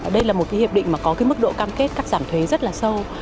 đây là một cái hiệp định mà có cái mức độ cam kết cắt giảm thuế rất là sâu